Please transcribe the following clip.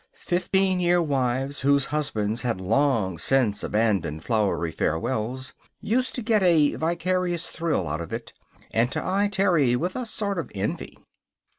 Fifteen year wives whose husbands had long since abandoned flowery farewells used to get a vicarious thrill out of it, and to eye Terry with a sort of envy.